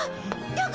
どこ？